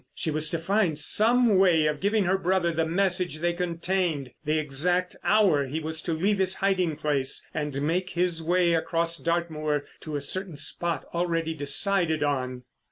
She was to find some way of giving her brother the message they contained—the exact hour he was to leave his hiding place and make his way across Dartmoor to a certain spot already decided on.